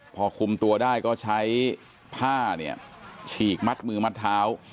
พอคุมตัวได้ก็ใช้ผ้าเนี่ยฉีกมัดมือมัดเท้า